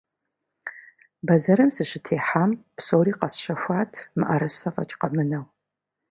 Бэзэрым сыщытехьам, псори къэсщэхуат, мыӏэрысэ фӏэкӏ къэмынэу.